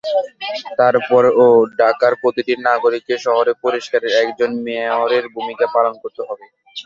তারপরও ঢাকার প্রতিটি নাগরিককে শহর পরিষ্কারে একজন মেয়রের ভূমিকা পালন করতে হবে।